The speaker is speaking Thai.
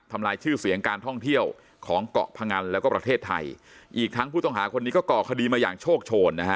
ลายชื่อเสียงการท่องเที่ยวของเกาะพงันแล้วก็ประเทศไทยอีกทั้งผู้ต้องหาคนนี้ก็ก่อคดีมาอย่างโชคโชนนะฮะ